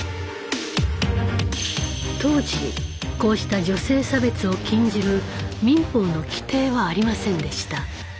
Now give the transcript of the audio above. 当時こうした女性差別を禁じる民法の規定はありませんでした。